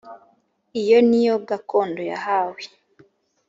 iyo ni yo gakondo yahawe